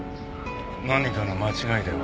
何かの間違いでは？